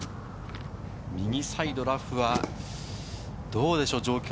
右サイドラフはどうでしょう？